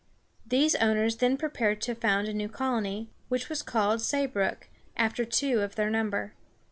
These owners then prepared to found a new colony, which was called Say´brook, after two of their number.